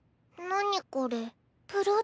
何これ？